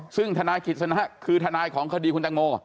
ซึ่งธนายกิจสนะคือทนายของคดีคุณตังโม